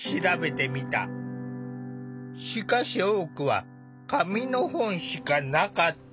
しかし多くは紙の本しかなかった。